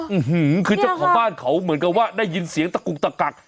ื้อหือคือเจ้าของบ้านเขาเหมือนกับว่าได้ยินเสียงตะกุกตะกัก